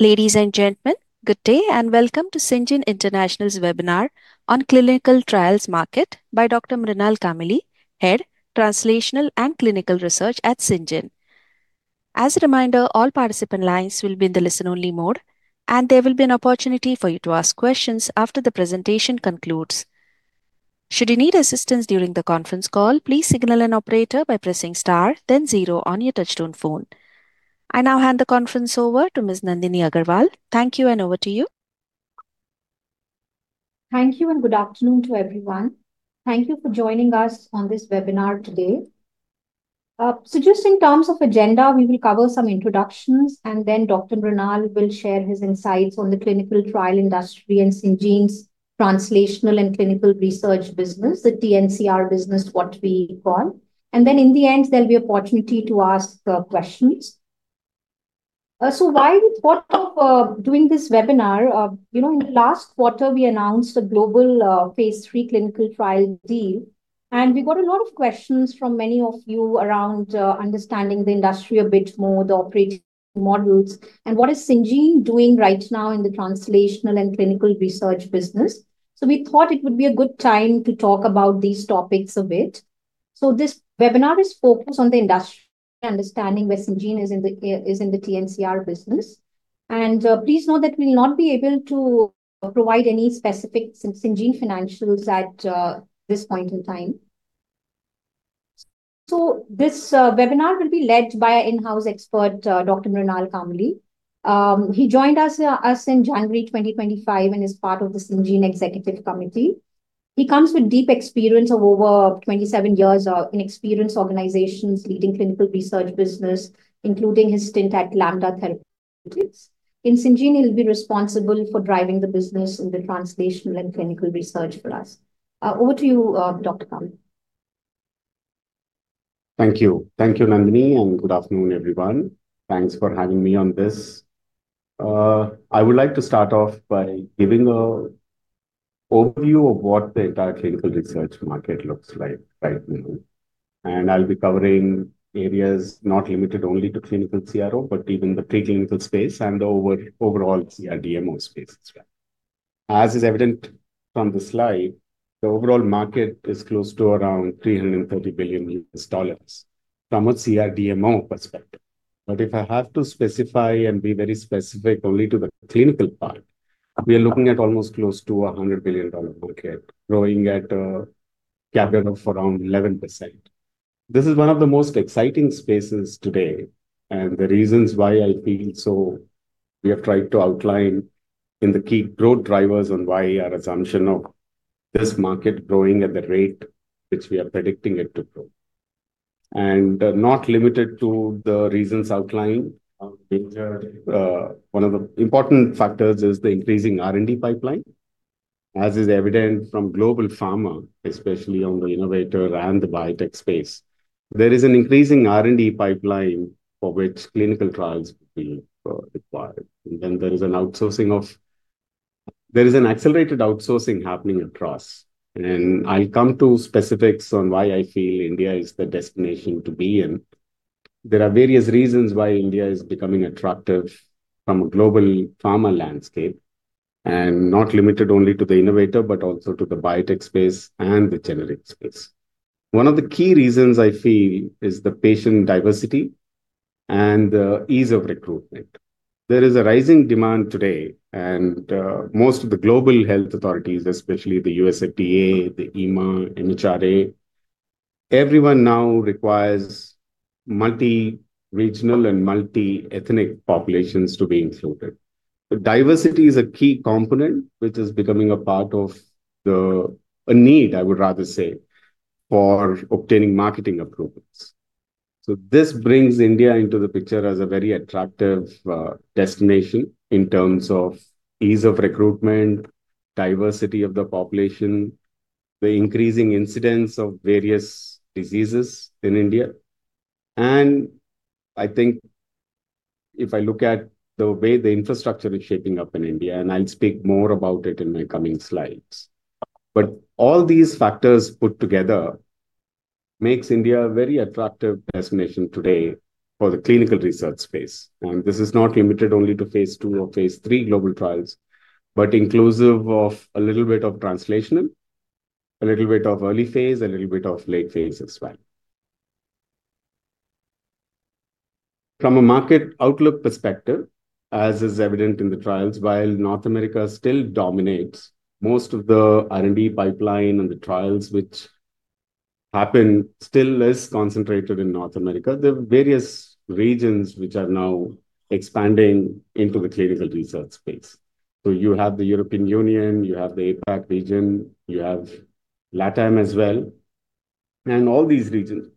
Ladies and gentlemen, good day and welcome to Syngene International's webinar on clinical trials market by Dr. Mrinal Kammili, Head, Translational and Clinical Research at Syngene. As a reminder, all participant lines will be in the listen-only mode, and there will be an opportunity for you to ask questions after the presentation concludes. Should you need assistance during the conference call, please signal an operator by pressing star, then zero on your touch-tone phone. I now hand the conference over to Ms. Nandini Agarwal. Thank you, and over to you. Thank you, and good afternoon to everyone. Thank you for joining us on this webinar today, so just in terms of agenda, we will cover some introductions, and then Dr. Mrinal Kammili will share his insights on the clinical trial industry and Syngene's Translational and Clinical Research business, the T&CR business, what we call, and then in the end, there'll be an opportunity to ask questions. So why we thought of doing this webinar? In the last quarter, we announced a global Phase 3 clinical trial deal, and we got a lot of questions from many of you around understanding the industry a bit more, the operating models, and what is Syngene doing right now in the Translational and Clinical Research business, so we thought it would be a good time to talk about these topics a bit. This webinar is focused on the industry understanding where Syngene is in the T&CR business. Please note that we will not be able to provide any specific Syngene financials at this point in time. This webinar will be led by an in-house expert, Dr. Mrinal Kammili. He joined us in January 2025 and is part of the Syngene Executive Committee. He comes with deep experience of over 27 years in experienced organizations leading clinical research business, including his stint at Lambda Therapeutic Research. In Syngene, he'll be responsible for driving the business in the Translational and Clinical Research for us. Over to you, Dr. Kammili. Thank you. Thank you, Nandini, and good afternoon, everyone. Thanks for having me on this. I would like to start off by giving an overview of what the entire clinical research market looks like right now. And I'll be covering areas not limited only to clinical CRO, but even the preclinical space and the overall CRDMO space as well. As is evident from the slide, the overall market is close to around $330 billion from a CRDMO perspective. But if I have to specify and be very specific only to the clinical part, we are looking at almost close to a $100 billion market, growing at a CAGR of around 11%. This is one of the most exciting spaces today, and the reasons why I feel so, we have tried to outline the key growth drivers on why our assumption of this market growing at the rate which we are predicting it to grow, and not limited to the reasons outlined, one of the important factors is the increasing R&D pipeline. As is evident from global pharma, especially on the innovator and the biotech space, there is an increasing R&D pipeline for which clinical trials will be required. And then there is an accelerated outsourcing happening across, and I'll come to specifics on why I feel India is the destination to be in. There are various reasons why India is becoming attractive from a global pharma landscape, and not limited only to the innovator, but also to the biotech space and the generic space. One of the key reasons I feel is the patient diversity and the ease of recruitment. There is a rising demand today, and most of the global health authorities, especially the U.S. FDA, the EMA, MHRA, everyone now requires multi-regional and multi-ethnic populations to be included. Diversity is a key component, which is becoming a part of the need, I would rather say, for obtaining marketing approvals, so this brings India into the picture as a very attractive destination in terms of ease of recruitment, diversity of the population, the increasing incidence of various diseases in India, and I think if I look at the way the infrastructure is shaping up in India, and I'll speak more about it in my coming slides, but all these factors put together make India a very attractive destination today for the clinical research space. This is not limited only to Phase 2 or Phase 3 global trials, but inclusive of a little bit of translational, a little bit of early phase, a little bit of late phase as well. From a market outlook perspective, as is evident in the trials, while North America still dominates most of the R&D pipeline and the trials which happen still is concentrated in North America, there are various regions which are now expanding into the clinical research space, so you have the European Union, you have the APAC region, you have LATAM as well, and all these regions.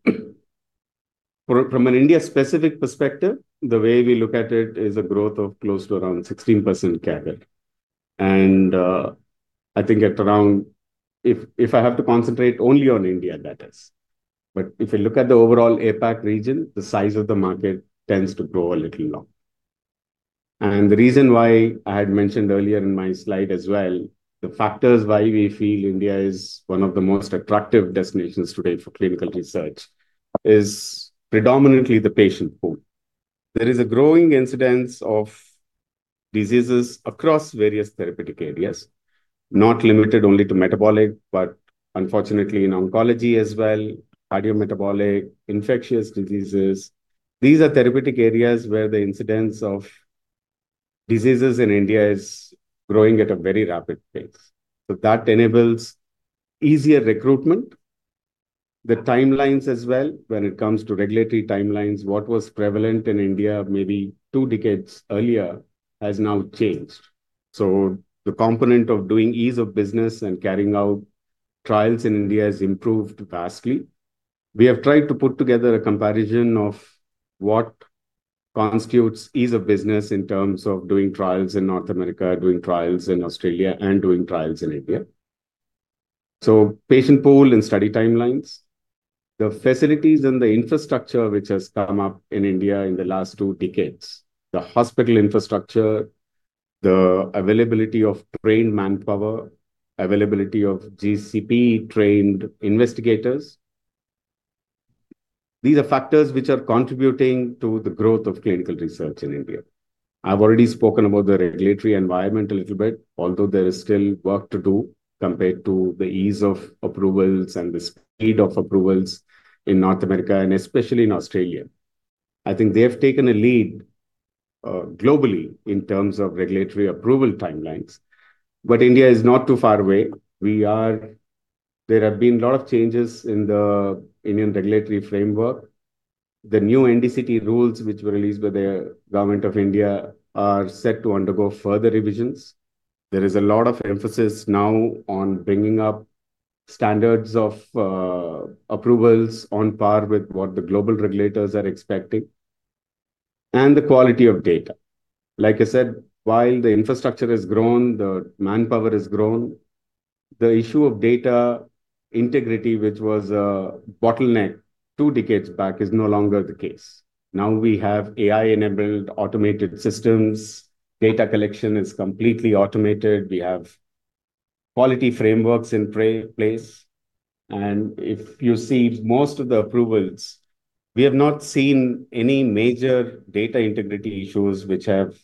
From an India-specific perspective, the way we look at it is a growth of close to around 16% CAGR. I think at around if I have to concentrate only on India, that is. If you look at the overall APAC region, the size of the market tends to grow a little longer. The reason why I had mentioned earlier in my slide as well, the factors why we feel India is one of the most attractive destinations today for clinical research is predominantly the patient pool. There is a growing incidence of diseases across various therapeutic areas, not limited only to metabolic, but unfortunately in oncology as well, cardiometabolic, infectious diseases. These are therapeutic areas where the incidence of diseases in India is growing at a very rapid pace. So that enables easier recruitment. The timelines as well, when it comes to regulatory timelines, what was prevalent in India maybe two decades earlier has now changed. So the component of ease of doing business and carrying out trials in India has improved vastly. We have tried to put together a comparison of what constitutes ease of business in terms of doing trials in North America, doing trials in Australia, and doing trials in India. So patient pool and study timelines, the facilities and the infrastructure which has come up in India in the last two decades, the hospital infrastructure, the availability of trained manpower, availability of GCP-trained investigators, these are factors which are contributing to the growth of clinical research in India. I've already spoken about the regulatory environment a little bit, although there is still work to do compared to the ease of approvals and the speed of approvals in North America and especially in Australia. I think they have taken a lead globally in terms of regulatory approval timelines. But India is not too far away. There have been a lot of changes in the Indian regulatory framework. The new NDCT rules which were released by the government of India are set to undergo further revisions. There is a lot of emphasis now on bringing up standards of approvals on par with what the global regulators are expecting and the quality of data. Like I said, while the infrastructure has grown, the manpower has grown, the issue of data integrity, which was a bottleneck two decades back, is no longer the case. Now we have AI-enabled automated systems. Data collection is completely automated. We have quality frameworks in place. And if you see most of the approvals, we have not seen any major data integrity issues which have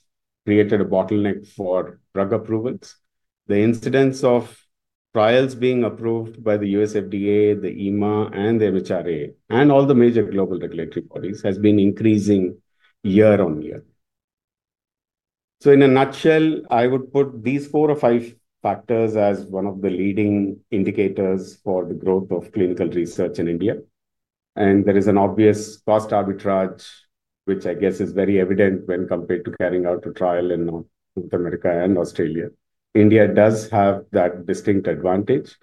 created a bottleneck for drug approvals. The incidence of trials being approved by the U.S. FDA, the EMA, and the MHRA, and all the major global regulatory bodies has been increasing year on year. So in a nutshell, I would put these four or five factors as one of the leading indicators for the growth of clinical research in India. And there is an obvious cost arbitrage, which I guess is very evident when compared to carrying out a trial in North America and Australia. India does have that distinct advantage.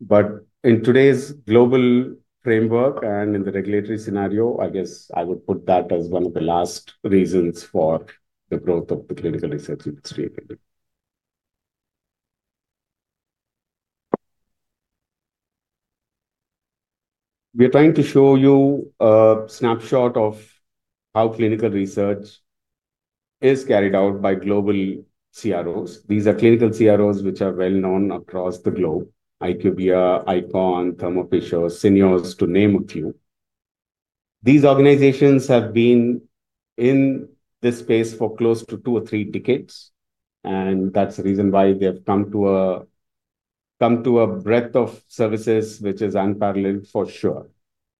But in today's global framework and in the regulatory scenario, I guess I would put that as one of the last reasons for the growth of the clinical research industry in India. We are trying to show you a snapshot of how clinical research is carried out by global CROs. These are clinical CROs which are well-known across the globe: IQVIA, ICON, Thermo Fisher, Syneos Health, to name a few. These organizations have been in this space for close to two or three decades. And that's the reason why they have come to a breadth of services which is unparalleled for sure.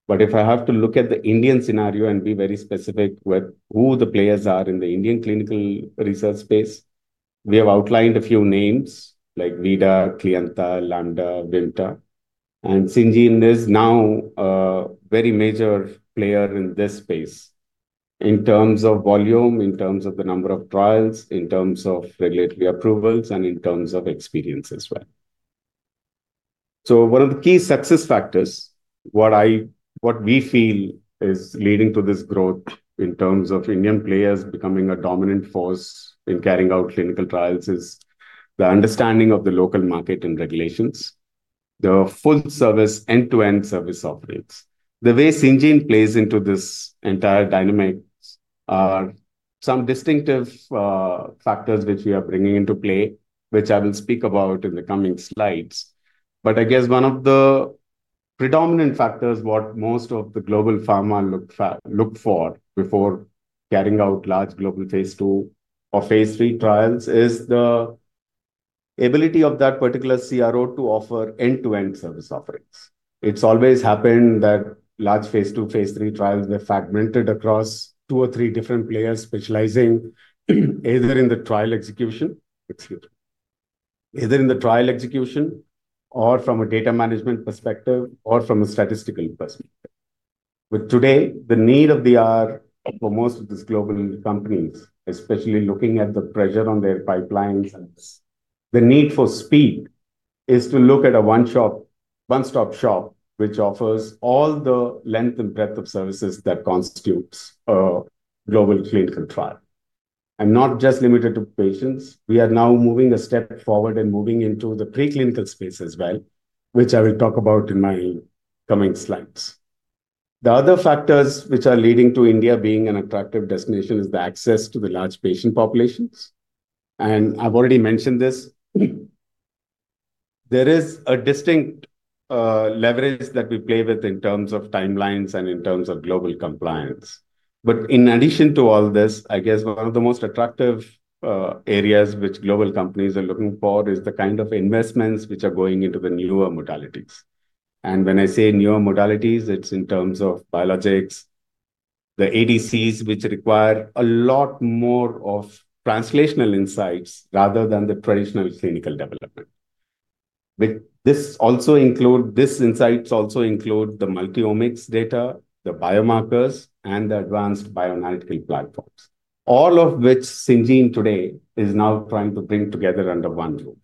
But if I have to look at the Indian scenario and be very specific with who the players are in the Indian clinical research space, we have outlined a few names like Veeda, Cliantha, Lambda, Vimta. And Syngene is now a very major player in this space in terms of volume, in terms of the number of trials, in terms of regulatory approvals, and in terms of experience as well. So one of the key success factors, what we feel is leading to this growth in terms of Indian players becoming a dominant force in carrying out clinical trials, is the understanding of the local market and regulations, the full-service end-to-end service offerings. The way Syngene plays into this entire dynamic are some distinctive factors which we are bringing into play, which I will speak about in the coming slides. But I guess one of the predominant factors what most of the global pharma look for before carrying out large global Phase 2 or Phase 3 trials is the ability of that particular CRO to offer end-to-end service offerings. It's always happened that large Phase 2, Phase 3 trials were fragmented across two or three different players specializing either in the trial execution, either in the trial execution or from a data management perspective or from a statistical perspective. But today, the need of the hour for most of these global companies, especially looking at the pressure on their pipelines and the need for speed, is to look at a one-stop shop which offers all the length and breadth of services that constitutes a global clinical trial. And not just limited to patients, we are now moving a step forward and moving into the preclinical space as well, which I will talk about in my coming slides. The other factors which are leading to India being an attractive destination is the access to the large patient populations. And I've already mentioned this. There is a distinct leverage that we play with in terms of timelines and in terms of global compliance. But in addition to all this, I guess one of the most attractive areas which global companies are looking for is the kind of investments which are going into the newer modalities. And when I say newer modalities, it's in terms of biologics, the ADCs which require a lot more of translational insights rather than the traditional clinical development. This also includes insights, the multi-omics data, the biomarkers, and the advanced bioanalytical platforms, all of which Syngene today is now trying to bring together under one roof.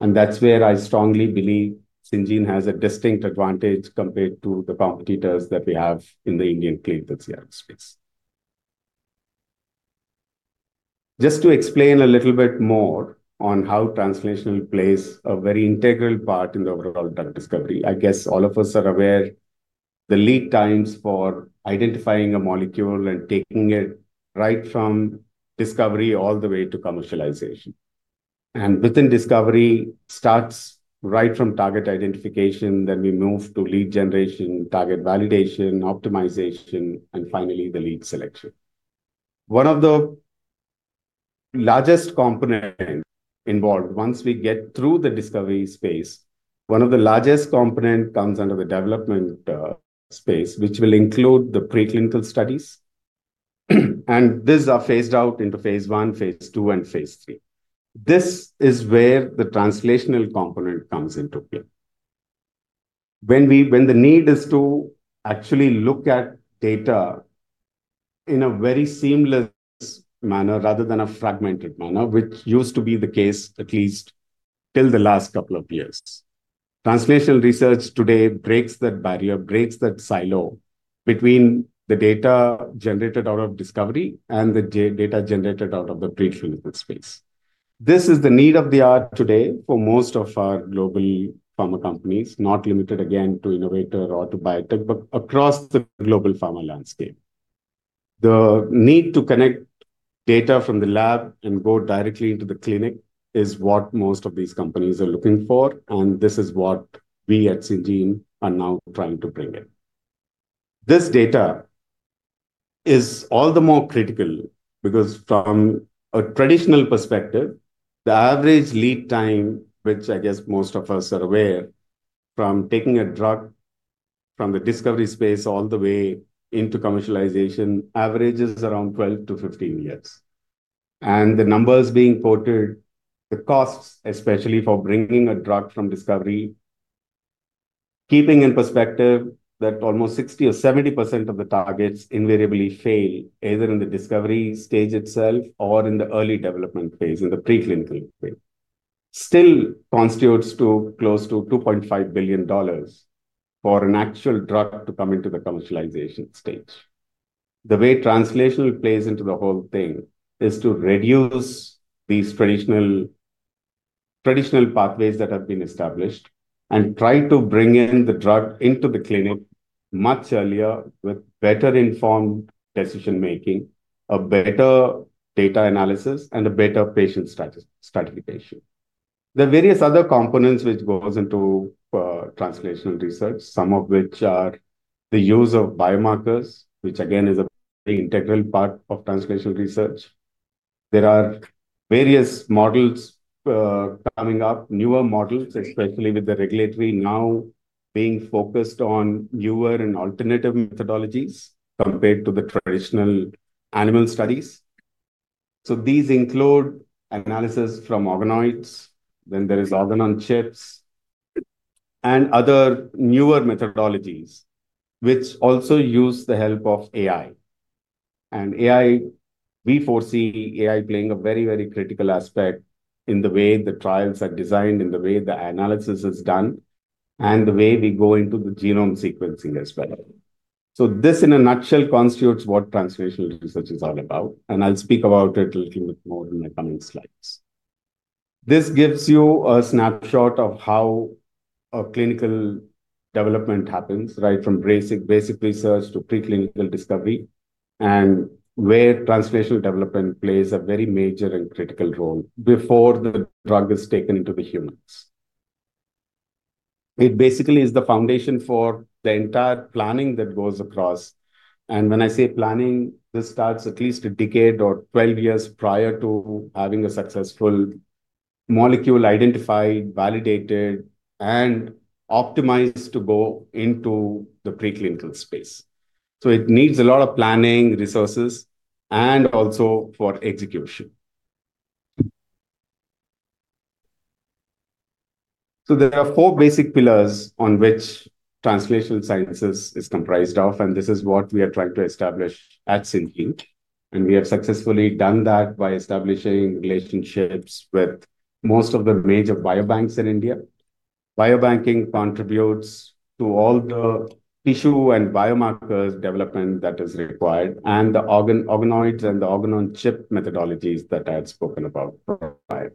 And that's where I strongly believe Syngene has a distinct advantage compared to the competitors that we have in the Indian clinical CRO space. Just to explain a little bit more on how translational plays a very integral part in the overall drug discovery. I guess all of us are aware the lead times for identifying a molecule and taking it right from discovery all the way to commercialization, and within discovery, starts right from target identification, then we move to lead generation, target validation, optimization, and finally the lead selection. One of the largest components involved once we get through the discovery space, one of the largest components comes under the development space, which will include the preclinical studies, and these are phased out into Phase 1, Phase 2, and Phase 3. This is where the translational component comes into play. When the need is to actually look at data in a very seamless manner rather than a fragmented manner, which used to be the case at least till the last couple of years, translational research today breaks that barrier, breaks that silo between the data generated out of discovery and the data generated out of the preclinical space. This is the state of the art today for most of our global pharma companies, not limited again to innovator or to biotech, but across the global pharma landscape. The need to connect data from the lab and go directly into the clinic is what most of these companies are looking for, and this is what we at Syngene are now trying to bring in. This data is all the more critical because from a traditional perspective, the average lead time, which I guess most of us are aware from taking a drug from the discovery space all the way into commercialization, averages around 12-15 years, and the numbers being quoted, the costs, especially for bringing a drug from discovery, keeping in perspective that almost 60% or 70% of the targets invariably fail either in the discovery stage itself or in the early development phase, in the preclinical phase, still constitutes close to $2.5 billion for an actual drug to come into the commercialization stage. The way translational plays into the whole thing is to reduce these traditional pathways that have been established and try to bring in the drug into the clinic much earlier with better-informed decision-making, a better data analysis, and a better patient stratification. There are various other components which go into translational research, some of which are the use of biomarkers, which again is a very integral part of translational research. There are various models coming up, newer models, especially with the regulatory now being focused on newer and alternative methodologies compared to the traditional animal studies. So these include analysis from organoids. Then there are organ-on-chips and other newer methodologies which also use the help of AI. And we foresee AI playing a very, very critical aspect in the way the trials are designed, in the way the analysis is done, and the way we go into the genome sequencing as well. So this, in a nutshell, constitutes what translational research is all about. And I'll speak about it a little bit more in the coming slides. This gives you a snapshot of how clinical development happens right from basic research to preclinical discovery and where translational development plays a very major and critical role before the drug is taken into the humans. It basically is the foundation for the entire planning that goes across. And when I say planning, this starts at least a decade or 12 years prior to having a successful molecule identified, validated, and optimized to go into the preclinical space. So it needs a lot of planning resources and also for execution. So there are four basic pillars on which translational sciences is comprised of. And this is what we are trying to establish at Syngene. And we have successfully done that by establishing relationships with most of the major biobanks in India. Biobanking contributes to all the tissue and biomarkers development that is required and the organoids and the organ-on-chip methodologies that I had spoken about prior,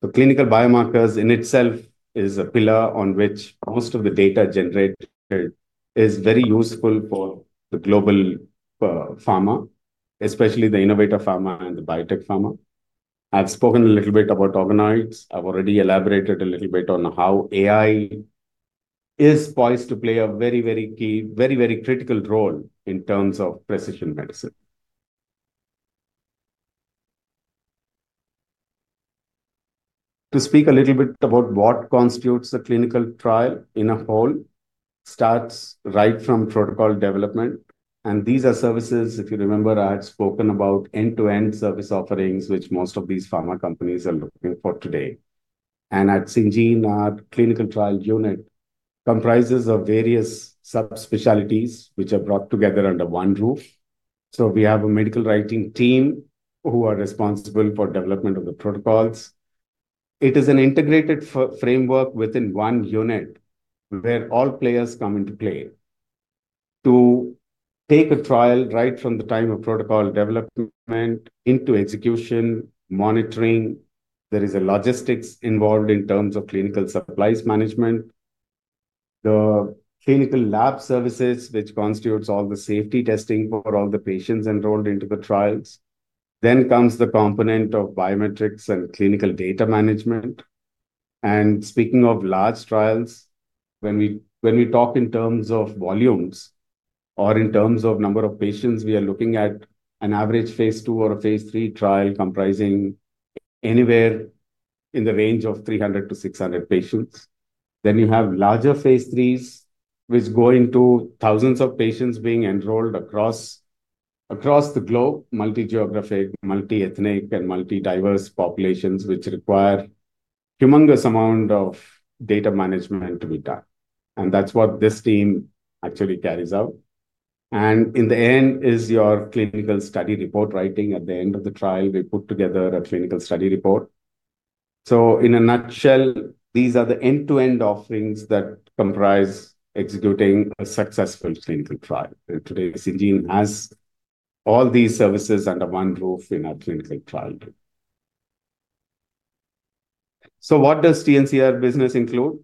so clinical biomarkers in itself is a pillar on which most of the data generated is very useful for the global pharma, especially the innovative pharma and the biotech pharma. I've spoken a little bit about organoids. I've already elaborated a little bit on how AI is poised to play a very, very key, very, very critical role in terms of precision medicine. To speak a little bit about what constitutes a clinical trial in a whole, it starts right from protocol development, and these are services, if you remember, I had spoken about end-to-end service offerings which most of these pharma companies are looking for today. At Syngene, our clinical trial unit comprises of various subspecialties which are brought together under one roof. We have a medical writing team who are responsible for development of the protocols. It is an integrated framework within one unit where all players come into play to take a trial right from the time of protocol development into execution, monitoring. There is logistics involved in terms of clinical supplies management, the clinical lab services which constitutes all the safety testing for all the patients enrolled into the trials. Comes the component of biometrics and clinical data management. Speaking of large trials, when we talk in terms of volumes or in terms of number of patients, we are looking at an average Phase 2 or a Phase 3 trial comprising anywhere in the range of 300-600 patients. Then you have larger Phase 3s which go into thousands of patients being enrolled across the globe, multi-geographic, multi-ethnic, and multi-diverse populations which require a humongous amount of data management to be done. And that's what this team actually carries out. And in the end is your clinical study report writing. At the end of the trial, we put together a clinical study report. So in a nutshell, these are the end-to-end offerings that comprise executing a successful clinical trial. Today, Syngene has all these services under one roof in our clinical trial arm. So what does T&CR business include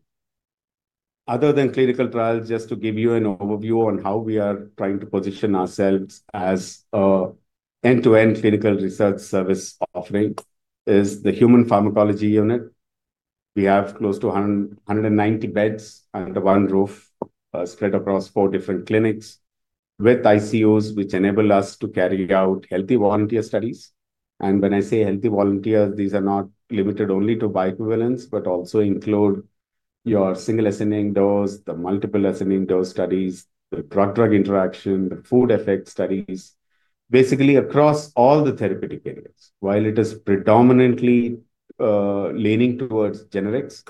other than clinical trials? Just to give you an overview on how we are trying to position ourselves as an end-to-end clinical research service offering is the Human Pharmacology Unit. We have close to 190 beds under one roof spread across four different clinics with ICUs which enable us to carry out healthy volunteer studies. And when I say healthy volunteers, these are not limited only to bioequivalence, but also include your single ascending dose, the multiple ascending dose studies, the drug-drug interaction, the food effect studies, basically across all the therapeutic areas. While it is predominantly leaning towards generics,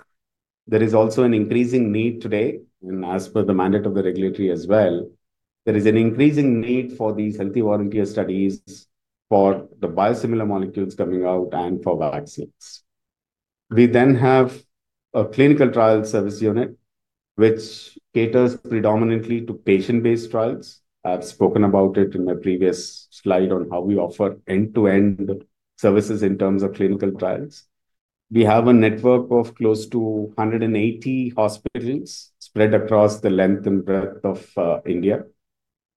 there is also an increasing need today. And as per the mandate of the regulatory as well, there is an increasing need for these healthy volunteer studies for the biosimilar molecules coming out and for vaccines. We then have a clinical trial service unit which caters predominantly to patient-based trials. I've spoken about it in my previous slide on how we offer end-to-end services in terms of clinical trials. We have a network of close to 180 hospitals spread across the length and breadth of India.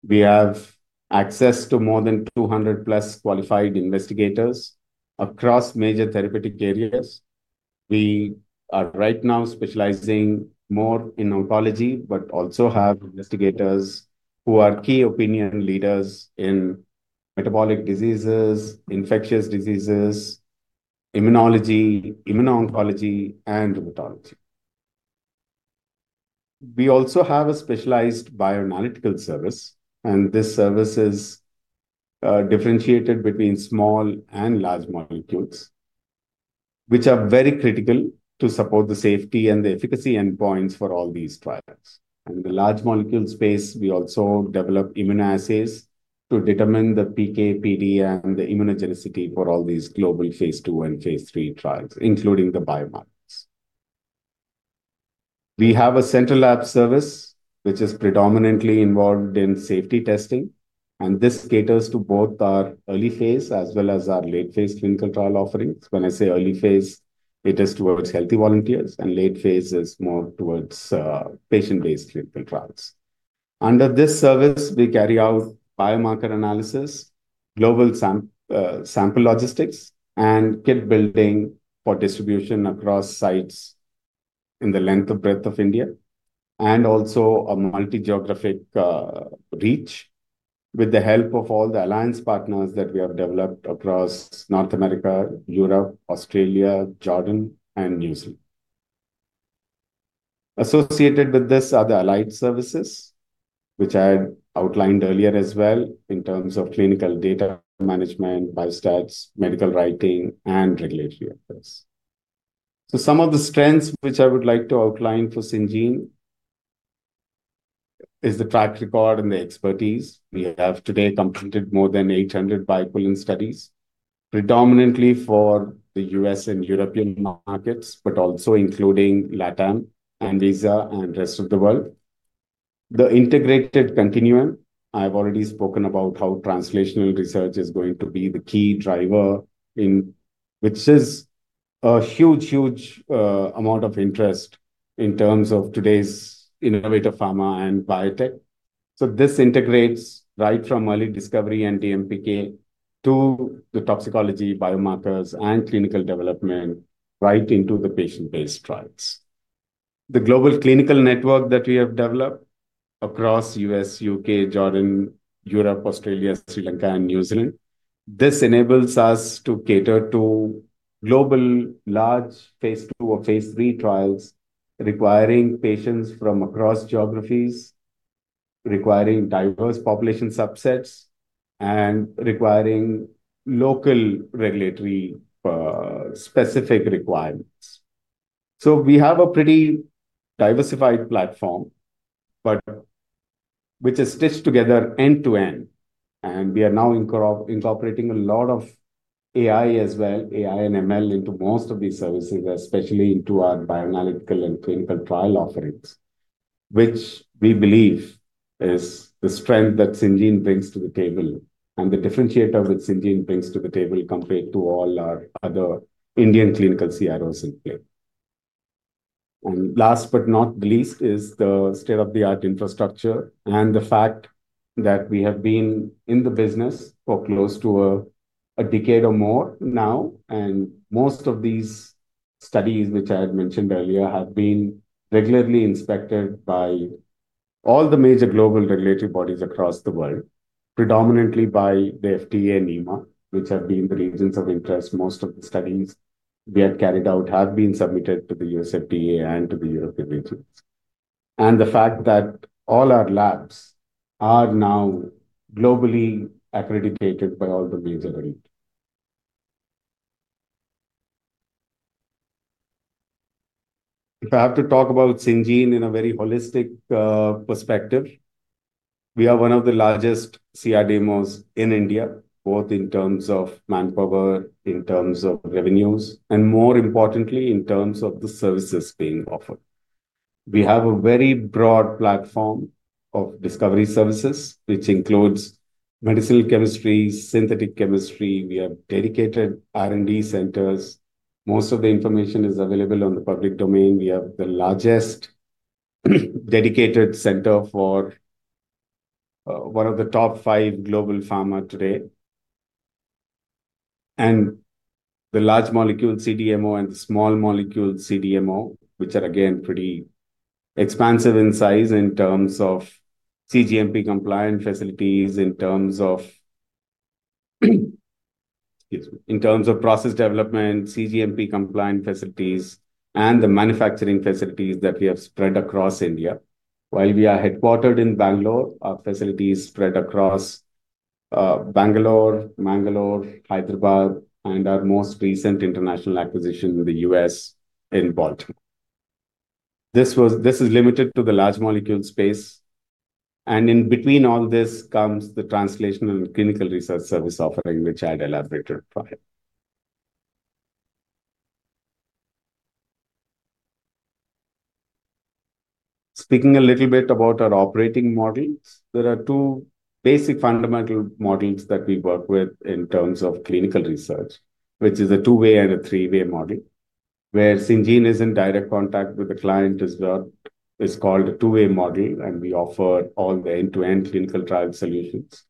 We have access to more than 200 plus qualified investigators across major therapeutic areas. We are right now specializing more in oncology, but also have investigators who are key opinion leaders in metabolic diseases, infectious diseases, immunology, immuno-oncology, and rheumatology. We also have a specialized bioanalytical service. And this service is differentiated between small and large molecules, which are very critical to support the safety and the efficacy endpoints for all these trials. And in the large molecule space, we also develop immunoassays to determine the PK, PD, and the immunogenicity for all these global Phase 2 and Phase 3 trials, including the biomarkers. We have a central lab service which is predominantly involved in safety testing. And this caters to both our early phase as well as our late phase clinical trial offerings. When I say early phase, it is towards healthy volunteers. And late phase is more towards patient-based clinical trials. Under this service, we carry out biomarker analysis, global sample logistics, and kit building for distribution across sites in the length and breadth of India, and also a multi-geographic reach with the help of all the alliance partners that we have developed across North America, Europe, Australia, Jordan, and New Zealand. Associated with this are the allied services, which I had outlined earlier as well in terms of clinical data management, biostats, medical writing, and regulatory efforts. So some of the strengths which I would like to outline for Syngene is the track record and the expertise. We have today completed more than 800 bioanalytical studies, predominantly for the U.S. and European markets, but also including LATAM and Asia and rest of the world. The integrated continuum, I've already spoken about how translational research is going to be the key driver in which is a huge, huge amount of interest in terms of today's innovative pharma and biotech. So this integrates right from early discovery and DMPK to the toxicology, biomarkers, and clinical development right into the patient-based trials. The global clinical network that we have developed across U.S., U.K., Jordan, Europe, Australia, Sri Lanka, and New Zealand, this enables us to cater to global large Phase 2 or Phase 3 trials requiring patients from across geographies, requiring diverse population subsets, and requiring local regulatory specific requirements. So we have a pretty diversified platform, but which is stitched together end to end. We are now incorporating a lot of AI as well, AI and ML into most of these services, especially into our bioanalytical and clinical trial offerings, which we believe is the strength that Syngene brings to the table and the differentiator that Syngene brings to the table compared to all our other Indian clinical CROs in play. Last but not least is the state-of-the-art infrastructure and the fact that we have been in the business for close to a decade or more now. Most of these studies, which I had mentioned earlier, have been regularly inspected by all the major global regulatory bodies across the world, predominantly by the FDA and EMA, which have been the regions of interest. Most of the studies we have carried out have been submitted to the U.S. FDA and to the European regions. And the fact that all our labs are now globally accredited by all the major regs. If I have to talk about Syngene in a very holistic perspective, we are one of the largest CRDMOs in India, both in terms of manpower, in terms of revenues, and more importantly, in terms of the services being offered. We have a very broad platform of discovery services, which includes medicinal chemistry, synthetic chemistry. We have dedicated R&D centers. Most of the information is available on the public domain. We have the largest dedicated center for one of the top five global pharma today. And the large molecule CDMO and the small molecule CDMO, which are again pretty expansive in size in terms of cGMP compliant facilities, in terms of process development, cGMP compliant facilities, and the manufacturing facilities that we have spread across India. While we are headquartered in Bangalore, our facilities spread across Bangalore, Mangalore, Hyderabad, and our most recent international acquisition in the U.S. in Baltimore. This is limited to the large molecule space. And in between all this comes the Translational and Clinical Research service offering, which I had elaborated prior. Speaking a little bit about our operating models, there are two basic fundamental models that we work with in terms of clinical research, which is a two-way and a three-way model, where Syngene is in direct contact with the client. It's called a two-way model, and we offer all the end-to-end clinical trial solutions.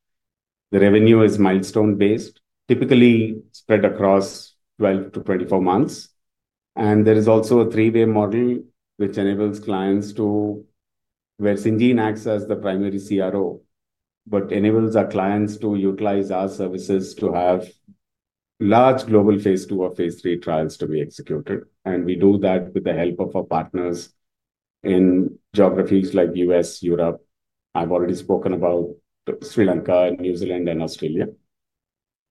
The revenue is milestone-based, typically spread across 12 to 24 months. And there is also a three-way model which enables clients to, where Syngene acts as the primary CRO, but enables our clients to utilize our services to have large global Phase 2 or Phase 3 trials to be executed. And we do that with the help of our partners in geographies like U.S., Europe. I've already spoken about Sri Lanka, New Zealand, and Australia.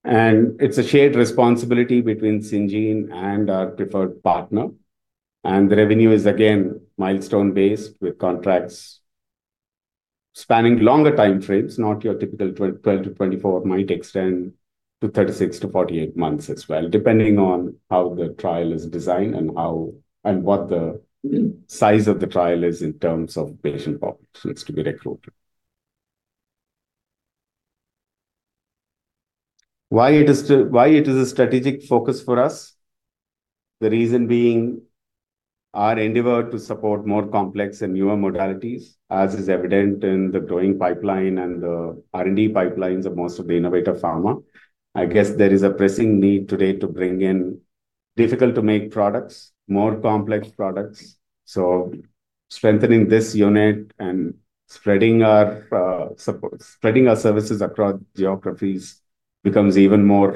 And it's a shared responsibility between Syngene and our preferred partner. And the revenue is again milestone-based with contracts spanning longer time frames, not your typical 12-24, might extend to 36-48 months as well, depending on how the trial is designed and what the size of the trial is in terms of patient populations to be recruited. Why is it a strategic focus for us? The reason being our endeavor to support more complex and newer modalities, as is evident in the growing pipeline and the R&D pipelines of most of the innovative pharma. I guess there is a pressing need today to bring in difficult-to-make products, more complex products. So strengthening this unit and spreading our services across geographies becomes even more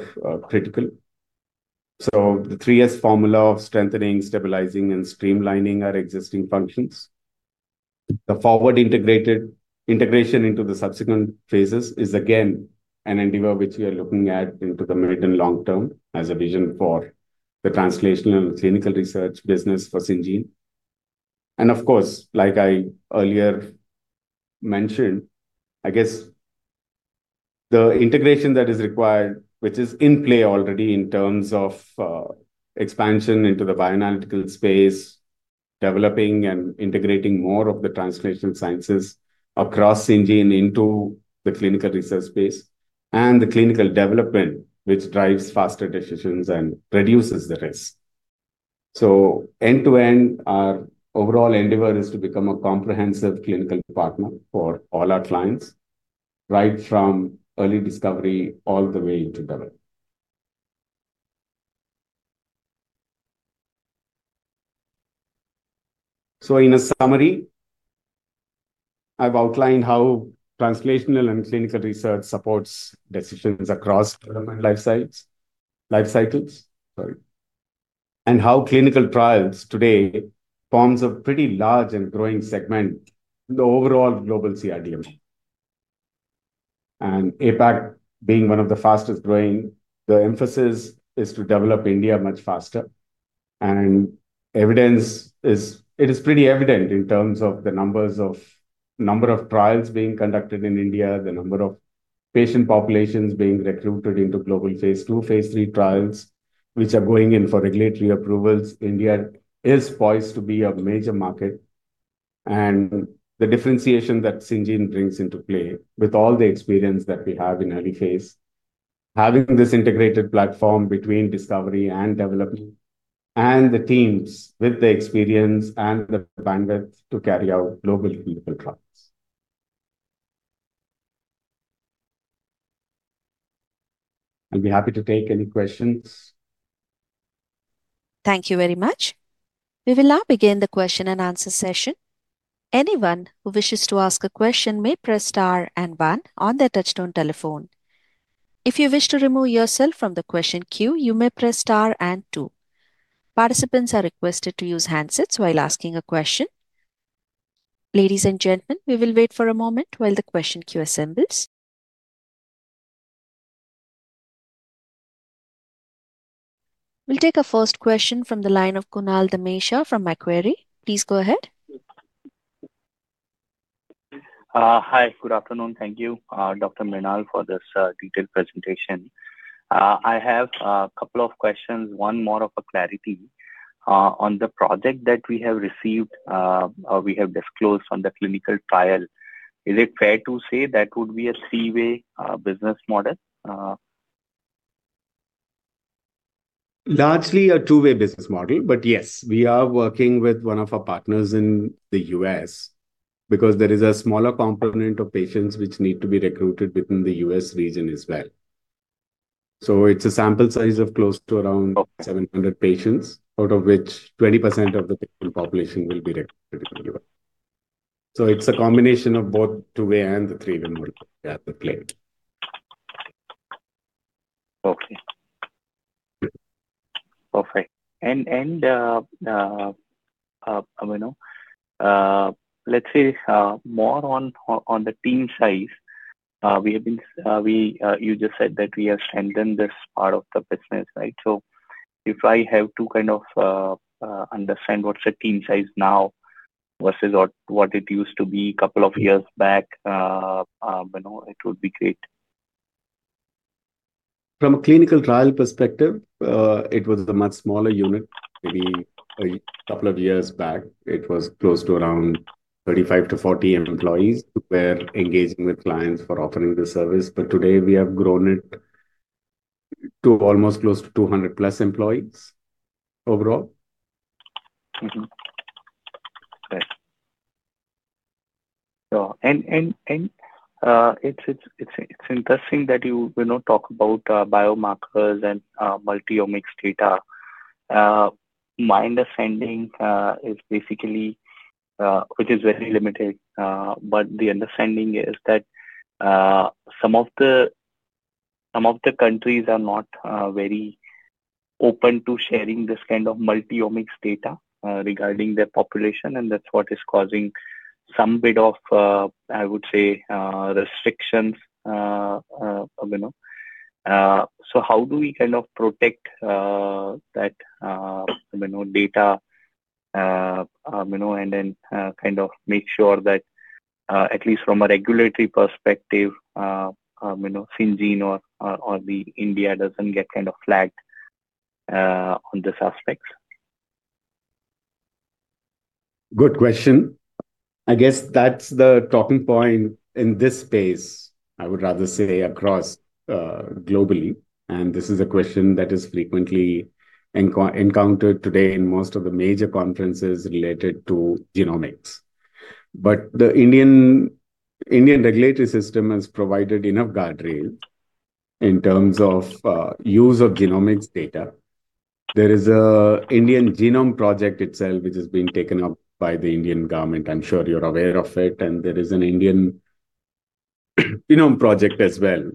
critical. So the three S formula of strengthening, stabilizing, and streamlining our existing functions. The forward integration into the subsequent phases is again an endeavor which we are looking at into the mid and long term as a vision for the translational clinical research business for Syngene. And of course, like I earlier mentioned, I guess the integration that is required, which is in play already in terms of expansion into the bioanalytical space, developing and integrating more of the translational sciences across Syngene into the clinical research space and the clinical development, which drives faster decisions and reduces the risk. So end to end, our overall endeavor is to become a comprehensive clinical partner for all our clients, right from early discovery all the way into development. So in a summary, I've outlined how Translational and Clinical Research supports decisions across development life cycles, sorry, and how clinical trials today form a pretty large and growing segment in the overall global CRDMO. And APAC being one of the fastest growing, the emphasis is to develop India much faster. And it is pretty evident in terms of the number of trials being conducted in India, the number of patient populations being recruited into global Phase 2, Phase 3 trials, which are going in for regulatory approvals. India is poised to be a major market. And the differentiation that Syngene brings into play with all the experience that we have in early phase, having this integrated platform between discovery and development and the teams with the experience and the bandwidth to carry out global clinical trials. I'll be happy to take any questions. Thank you very much. We will now begin the question and answer session. Anyone who wishes to ask a question may press star and one on their touch-tone telephone. If you wish to remove yourself from the question queue, you may press star and two. Participants are requested to use handsets while asking a question. Ladies and gentlemen, we will wait for a moment while the question queue assembles. We'll take a first question from the line of Kunal Dhamesha from Macquarie. Please go ahead. Hi, good afternoon. Thank you, Dr. Mrinal, for this detailed presentation. I have a couple of questions, one more of a clarity on the project that we have received, we have disclosed on the clinical trial. Is it fair to say that would be a three-way business model? Largely a two-way business model, but yes, we are working with one of our partners in the U.S. because there is a smaller component of patients which need to be recruited within the U.S. region as well. So it's a sample size of close to around 700 patients, out of which 20% of the patient population will be recruited. It's a combination of both two-way and the three-way model at the plate. Okay. Perfect. And let's say more on the team size. You just said that we have strengthened this part of the business, right? So if I have to kind of understand what's the team size now versus what it used to be a couple of years back, it would be great. From a clinical trial perspective, it was a much smaller unit. Maybe a couple of years back, it was close to around 35-40 employees who were engaging with clients for offering the service. But today, we have grown it to almost close to 200+ employees overall. And it's interesting that you talk about biomarkers and multi-omics data. My understanding is basically, which is very limited, but the understanding is that some of the countries are not very open to sharing this kind of multi-omics data regarding their population, and that's what is causing some bit of, I would say, restrictions. So how do we kind of protect that data and then kind of make sure that, at least from a regulatory perspective, Syngene or India doesn't get kind of flagged on this aspect? Good question. I guess that's the talking point in this space, I would rather say across globally. And this is a question that is frequently encountered today in most of the major conferences related to genomics. But the Indian regulatory system has provided enough guardrail in terms of use of genomics data. There is an Indian Genome Project itself, which is being taken up by the Indian government. I'm sure you're aware of it, and there is an Indian Genome Project as well,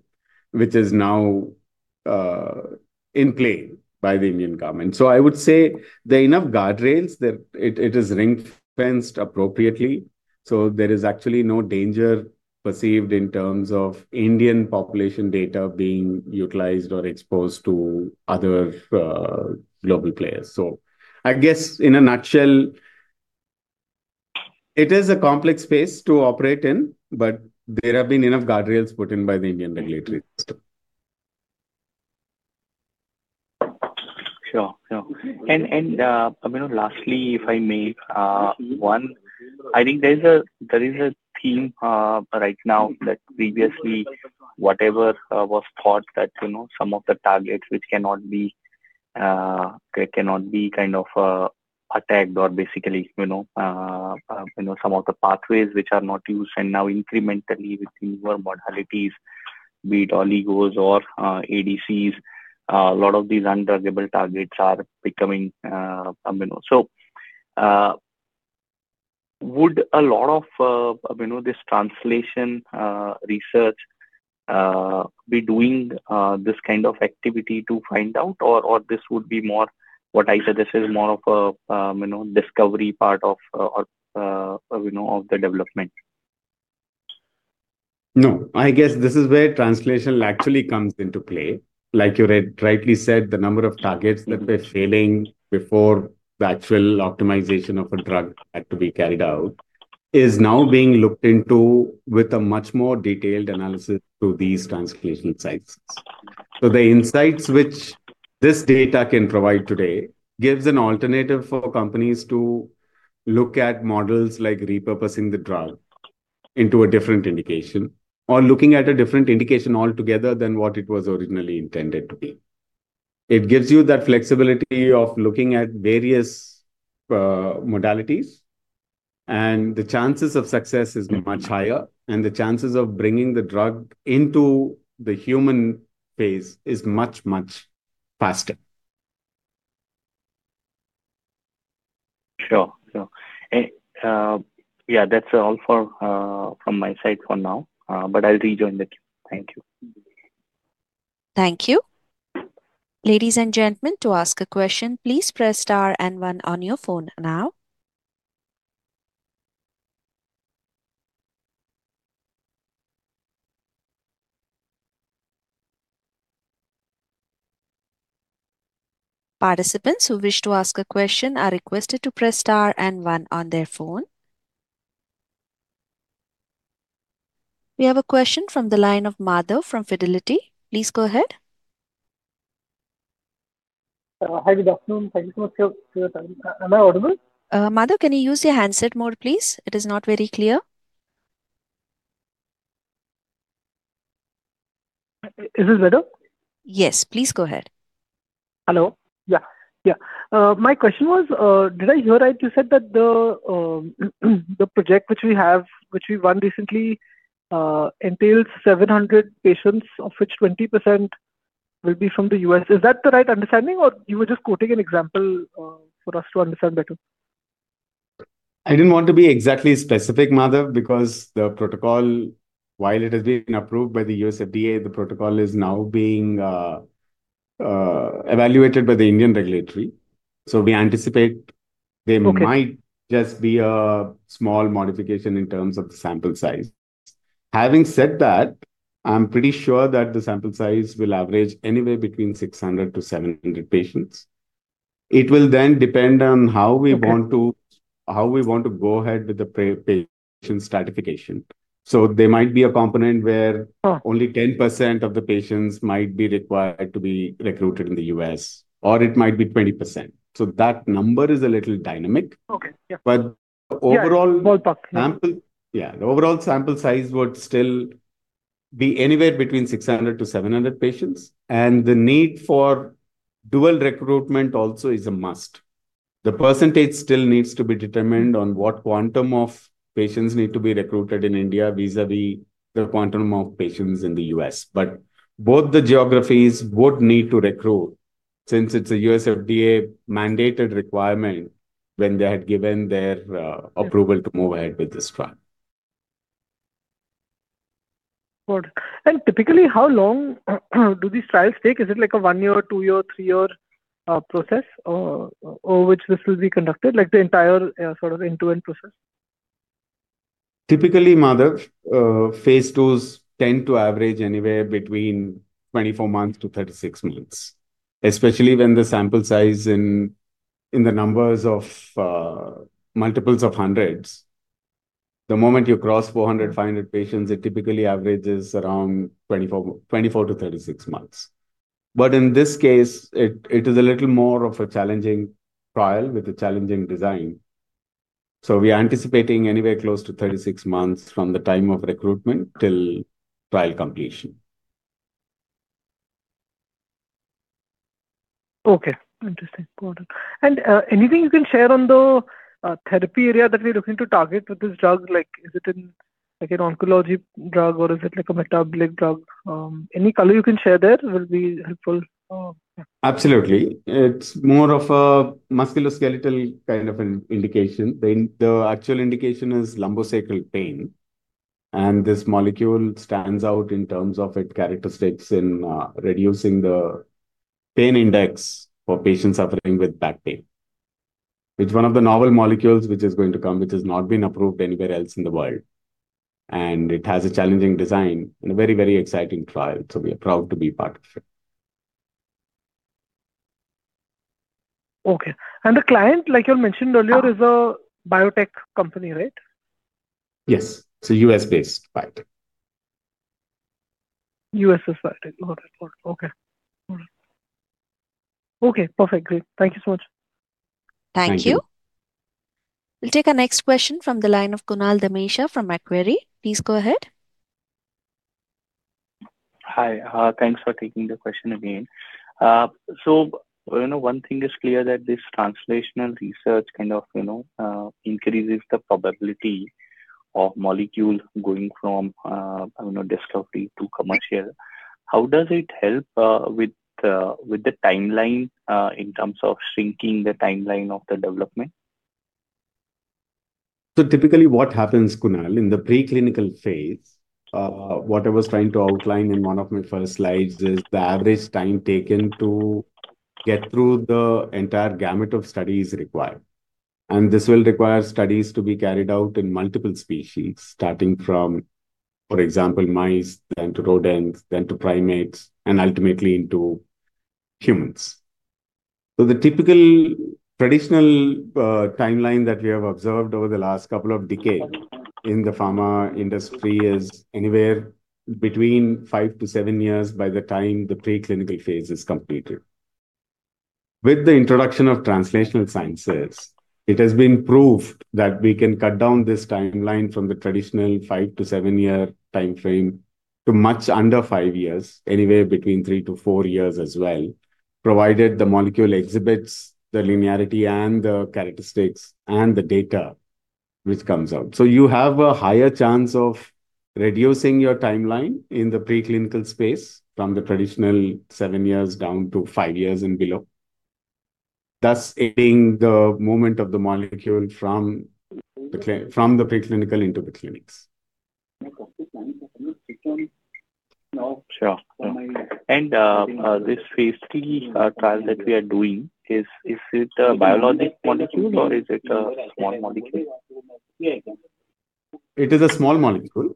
which is now in play by the Indian government, so I would say there are enough guardrails that it is ring-fenced appropriately, so there is actually no danger perceived in terms of Indian population data being utilized or exposed to other global players, so I guess in a nutshell, it is a complex space to operate in, but there have been enough guardrails put in by the Indian regulatory system. Sure. Lastly, if I may, I think there is a theme right now that previously whatever was thought that some of the targets which cannot be kind of attacked or basically some of the pathways which are not used and now incrementally with newer modalities, be it oligos or ADCs, a lot of these undruggable targets are becoming. So would a lot of this translational research be doing this kind of activity to find out, or this would be more what I said, this is more of a discovery part of the development? No. I guess this is where translational actually comes into play. Like you rightly said, the number of targets that were failing before the actual optimization of a drug had to be carried out is now being looked into with a much more detailed analysis through these translational sites. So the insights which this data can provide today gives an alternative for companies to look at models like repurposing the drug into a different indication or looking at a different indication altogether than what it was originally intended to be. It gives you that flexibility of looking at various modalities, and the chances of success is much higher, and the chances of bringing the drug into the human phase is much, much faster. Sure. Yeah, that's all from my side for now, but I'll rejoin later. Thank you. Thank you. Ladies and gentlemen, to ask a question, please press star and one on your phone now. Participants who wish to ask a question are requested to press star and one on their phone. We have a question from the line of Madhav from Fidelity. Please go ahead. Hi, good afternoon. Thank you so much. Am I audible? Madhav, can you use your handset more, please? It is not very clear. Is this better? Yes, please go ahead. Hello. Yeah. Yeah. My question was, did I hear right? You said that the project which we have, which we've won recently, entails 700 patients, of which 20% will be from the U.S. Is that the right understanding, or you were just quoting an example for us to understand better? I didn't want to be exactly specific, Madhav, because the protocol, while it has been approved by the U.S. FDA, the protocol is now being evaluated by the Indian regulatory. So we anticipate there might just be a small modification in terms of the sample size. Having said that, I'm pretty sure that the sample size will average anywhere between 600-700 patients. It will then depend on how we want to go ahead with the patient stratification. So there might be a component where only 10% of the patients might be required to be recruited in the U.S., or it might be 20%. So that number is a little dynamic. But the overall sample, yeah, the overall sample size would still be anywhere between 600-700 patients. And the need for dual recruitment also is a must. The percentage still needs to be determined on what quantum of patients need to be recruited in India vis-à-vis the quantum of patients in the U.S. But both the geographies would need to recruit since it's a U.S. FDA-mandated requirement when they had given their approval to move ahead with this trial. Good. And typically, how long do these trials take? Is it like a one-year, two-year, three-year process over which this will be conducted, like the entire sort of end-to-end process? Typically, Madhav, Phase 2s tend to average anywhere between 24-36 months, especially when the sample size in the numbers of multiples of hundreds. The moment you cross 400-500 patients, it typically averages around 24-36 months. But in this case, it is a little more of a challenging trial with a challenging design. So we are anticipating anywhere close to 36 months from the time of recruitment till trial completion. Okay. Interesting. And anything you can share on the therapy area that we're looking to target with this drug? Is it an oncology drug, or is it a metabolic drug? Any color you can share there will be helpful. Absolutely. It's more of a musculoskeletal kind of indication. The actual indication is lumbosacral pain. And this molecule stands out in terms of its characteristics in reducing the pain index for patients suffering with back pain. It's one of the novel molecules which is going to come, which has not been approved anywhere else in the world. And it has a challenging design and a very, very exciting trial. So we are proud to be part of it. Okay. And the client, like you mentioned earlier, is a biotech company, right? Yes. It's a U.S.-based client. U.S. Okay. Okay. Perfect. Great. Thank you so much. Thank you. We'll take a next question from the line of Kunal Dhamesha from Macquarie. Please go ahead. Hi. Thanks for taking the question again. So one thing is clear that this translational research kind of increases the probability of molecules going from discovery to commercial. How does it help with the timeline in terms of shrinking the timeline of the development? Typically, what happens, Kunal, in the preclinical phase, what I was trying to outline in one of my first slides is the average time taken to get through the entire gamut of studies required. This will require studies to be carried out in multiple species, starting from, for example, mice, then to rodents, then to primates, and ultimately into humans. The typical traditional timeline that we have observed over the last couple of decades in the pharma industry is anywhere between five to seven years by the time the preclinical phase is completed. With the introduction of translational sciences, it has been proved that we can cut down this timeline from the traditional five-to-seven-year timeframe to much under five years, anywhere between three to four years as well, provided the molecule exhibits the linearity and the characteristics and the data which comes out. So you have a higher chance of reducing your timeline in the preclinical space from the traditional seven years down to five years and below, thus aiding the movement of the molecule from the preclinical into the clinics. Sure. And this Phase 3 trial that we are doing, is it a biologic molecule or is it a small molecule? It is a small molecule.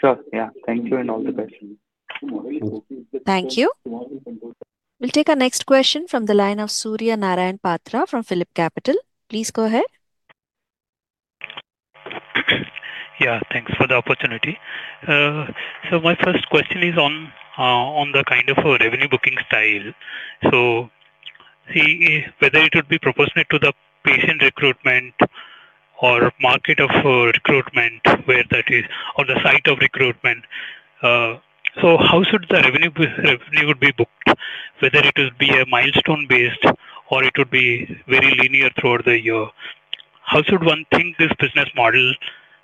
Sure. Yeah. Thank you and all the best. Thank you. We'll take a next question from the line of Surya Narayan Patra from PhillipCapital. Please go ahead. Yeah. Thanks for the opportunity. So my first question is on the kind of revenue booking style. So see whether it would be proportionate to the patient recruitment or market of recruitment where that is or the site of recruitment. So how should the revenue be booked, whether it would be a milestone-based or it would be very linear throughout the year? How should one think this business model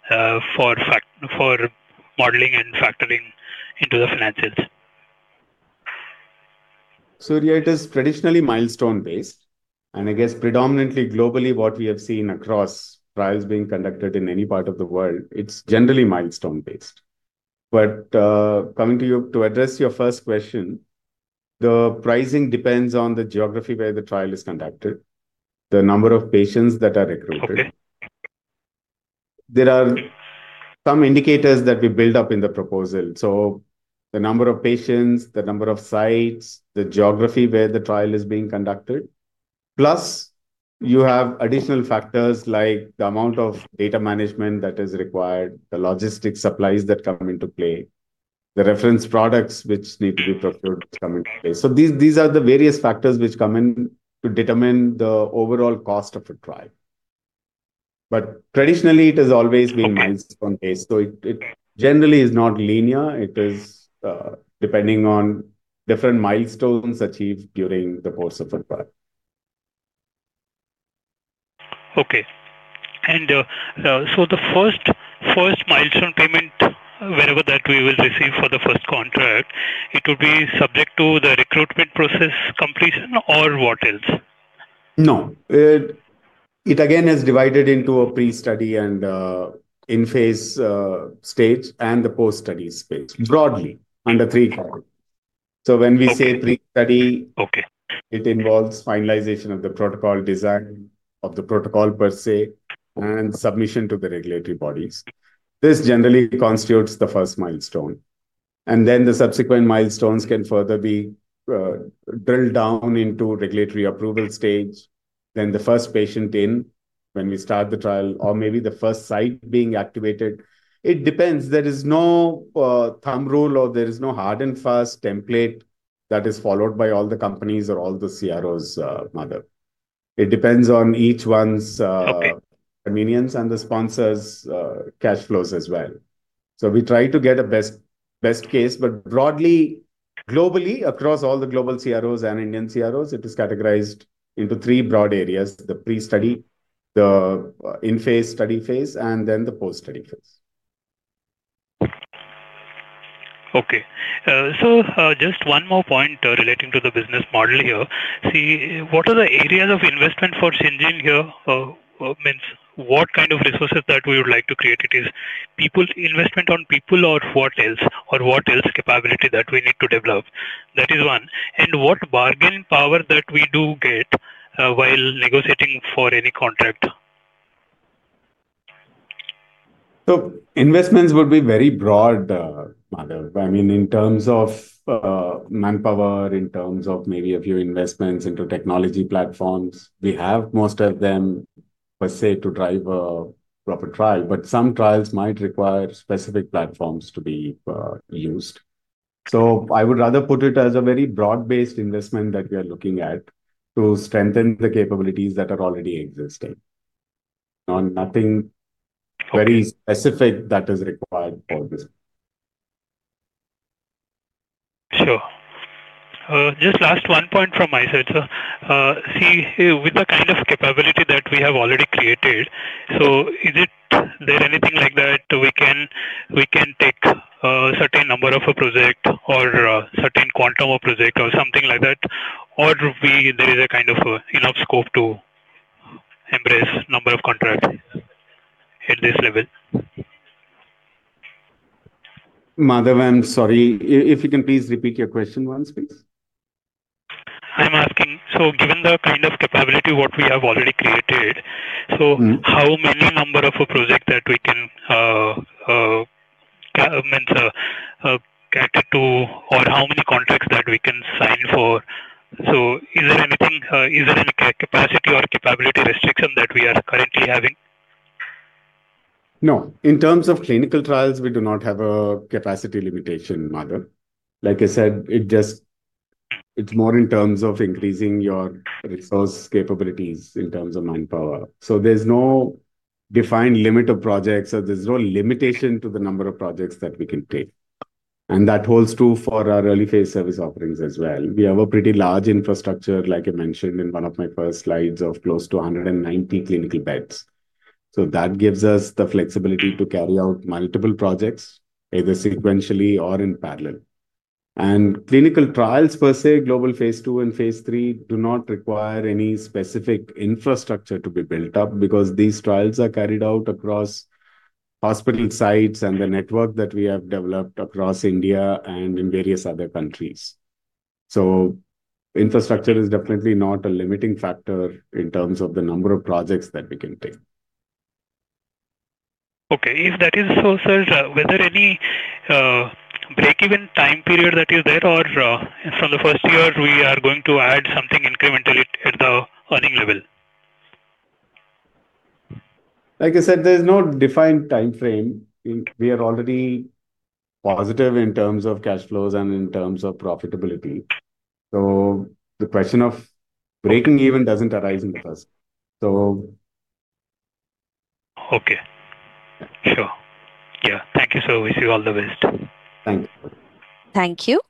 for modeling and factoring into the financials? Surya, it is traditionally milestone-based. And I guess predominantly globally, what we have seen across trials being conducted in any part of the world, it's generally milestone-based. But coming to address your first question, the pricing depends on the geography where the trial is conducted, the number of patients that are recruited. There are some indicators that we build up in the proposal. So the number of patients, the number of sites, the geography where the trial is being conducted, plus you have additional factors like the amount of data management that is required, the logistics supplies that come into play, the reference products which need to be procured come into play. These are the various factors which come into determine the overall cost of a trial. But traditionally, it has always been milestone-based. So it generally is not linear. It is depending on different milestones achieved during the course of a trial. Okay. And so the first milestone payment, wherever that we will receive for the first contract, it would be subject to the recruitment process completion or what else? No. It again is divided into a pre-study and in-phase stage and the post-study stage broadly under three categories. So when we say pre-study, it involves finalization of the protocol design, of the protocol per se, and submission to the regulatory bodies. This generally constitutes the first milestone. And then the subsequent milestones can further be drilled down into regulatory approval stage. Then the first patient in when we start the trial or maybe the first site being activated. It depends. There is no thumb rule or there is no hard and fast template that is followed by all the companies or all the CROs, Surya. It depends on each one's convenience and the sponsor's cash flows as well. So we try to get a best case. But broadly, globally, across all the global CROs and Indian CROs, it is categorized into three broad areas: the pre-study, the in-phase study phase, and then the post-study phase. Okay. So just one more point relating to the business model here. See, what are the areas of investment for Syngene here? Means what kind of resources that we would like to create? It is investment on people or what else or what else capability that we need to develop? That is one. And what bargaining power that we do get while negotiating for any contract? So investments would be very broad, Surya. I mean, in terms of manpower, in terms of maybe a few investments into technology platforms. We have most of them, per se, to drive a proper trial. But some trials might require specific platforms to be used. So I would rather put it as a very broad-based investment that we are looking at to strengthen the capabilities that are already existing. Nothing very specific that is required for this. Sure. Just last one point from my side. So see, with the kind of capability that we have already created, so is there anything like that we can take a certain number of a project or a certain quantum of project or something like that, or there is a kind of enough scope to embrace a number of contracts at this level? Surya I'm sorry. If you can please repeat your question once, please. I'm asking, so given the kind of capability what we have already created, so how many number of a project that we can get to or how many contracts that we can sign for? So is there any capacity or capability restriction that we are currently having? No. In terms of clinical trials, we do not have a capacity limitation, Surya. Like I said, it's more in terms of increasing your resource capabilities in terms of manpower. So there's no defined limit of projects, or there's no limitation to the number of projects that we can take. And that holds true for our early-phase service offerings as well. We have a pretty large infrastructure, like I mentioned in one of my first slides, of close to 190 clinical beds. So that gives us the flexibility to carry out multiple projects either sequentially or in parallel. Clinical trials, per se, global Phase 2 and Phase 3 do not require any specific infrastructure to be built up because these trials are carried out across hospital sites and the network that we have developed across India and in various other countries. So infrastructure is definitely not a limiting factor in terms of the number of projects that we can take. Okay. If that is so, sir, was there any break-even time period that is there, or from the first year, we are going to add something incrementally at the earning level? Like I said, there's no defined timeframe. We are already positive in terms of cash flows and in terms of profitability. So the question of breaking even doesn't arise in the first. So. Okay. Sure. Yeah. Thank you so much. You're all the best. Thanks. Thank you.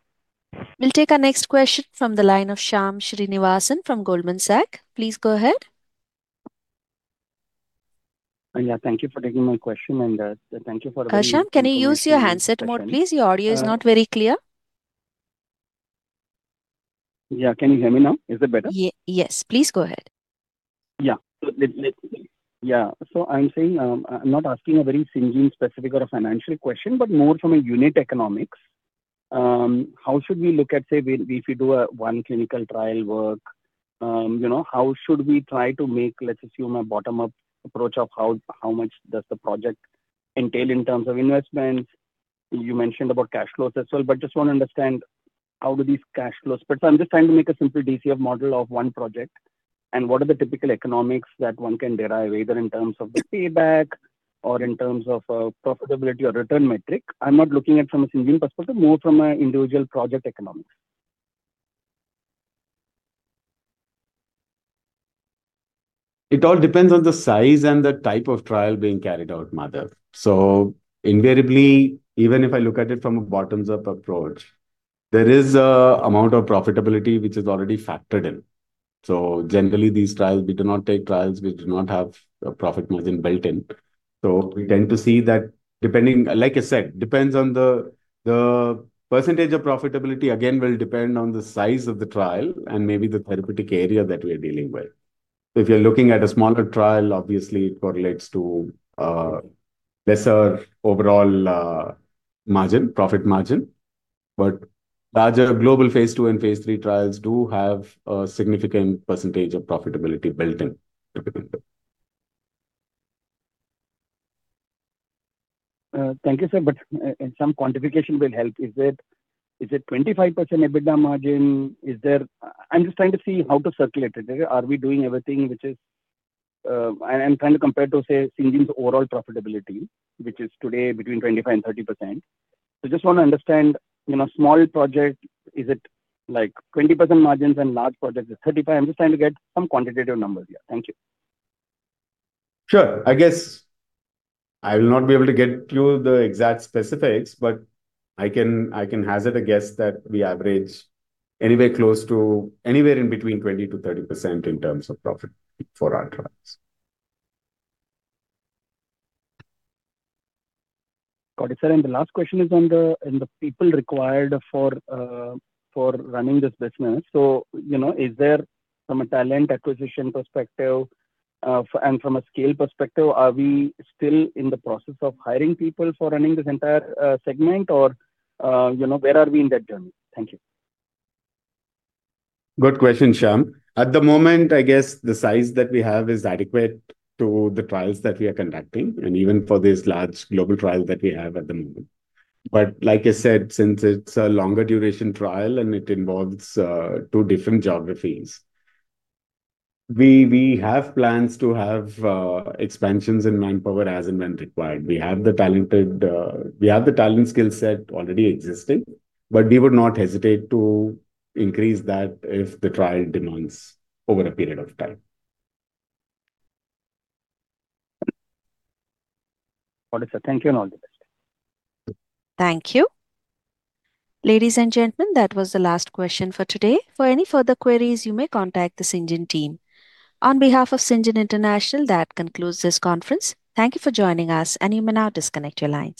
We'll take our next question from the line of Shyam Srinivasan from Goldman Sachs. Please go ahead. Yeah. Thank you for taking my question. And thank you for. Shyam, can you use your handset more, please? Your audio is not very clear. Yeah. Can you hear me now? Is it better? Yes. Please go ahead. Yeah. Yeah. So I'm saying I'm not asking a very Syngene specific or a financial question, but more from a unit economics. How should we look at, say, if we do one clinical trial work, how should we try to make, let's assume, a bottom-up approach of how much does the project entail in terms of investments? You mentioned about cash flows as well, but just want to understand how do these cash flows? But I'm just trying to make a simple DCF model of one project. What are the typical economics that one can derive, either in terms of the payback or in terms of profitability or return metric? I'm not looking at it from a Syngene perspective, more from an individual project economics. It all depends on the size and the type of trial being carried out, Shyam. So invariably, even if I look at it from a bottoms-up approach, there is an amount of profitability which is already factored in. So generally, these trials, we do not take trials which do not have a profit margin built in. So we tend to see that, like I said, depends on the percentage of profitability. Again, it will depend on the size of the trial and maybe the therapeutic area that we are dealing with. So if you're looking at a smaller trial, obviously, it correlates to lesser overall profit margin. But larger global Phase 2 and Phase 3 trials do have a significant percentage of profitability built in. Thank you, sir. But some quantification will help. Is it 25% EBITDA margin? I'm just trying to see how to circulate it. Are we doing everything which is? And I'm trying to compare it to, say, Syngene's overall profitability, which is today between 25% and 30%. So I just want to understand, small project, is it like 20% margins and large projects is 35%? I'm just trying to get some quantitative numbers here. Thank you. Sure. I guess I will not be able to get you the exact specifics, but I can hazard a guess that we average anywhere in between 20%-30% in terms of profit for our trials. Got it, sir. And the last question is on the people required for running this business. So is there from a talent acquisition perspective and from a scale perspective, are we still in the process of hiring people for running this entire segment, or where are we in that journey? Thank you. Good question, Shyam. At the moment, I guess the size that we have is adequate to the trials that we are conducting and even for this large global trial that we have at the moment. But like I said, since it is a longer duration trial and it involves two different geographies, we have plans to have expansions in manpower as and when required. We have the talent skill set already existing, but we would not hesitate to increase that if the trial demands over a period of time. Got it, sir. Thank you and all the best. Thank you. Ladies and gentlemen, that was the last question for today. For any further queries, you may contact the Syngene team. On behalf of Syngene International, that concludes this conference. Thank you for joining us, and you may now disconnect your lines.